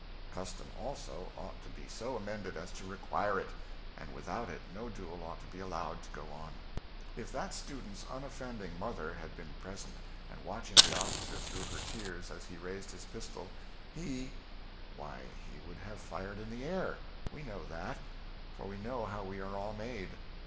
Custom, also, ought to be so amended as to require it; and without it no duel ought to be allowed to go on. If that student's unoffending mother had been present and watching the officer through her tears as he raised his pistol, he why, he would have fired in the air. We know that. For we know how we are all made.